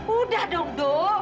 udah dong do